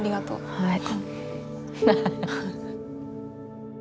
はい。